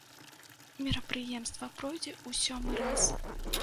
Мерапрыемства пройдзе ў сёмы раз.